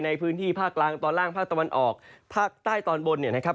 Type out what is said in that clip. ในพื้นที่ภาคกลางตอนล่างภาคตะวันออกภาคใต้ตอนบนเนี่ยนะครับ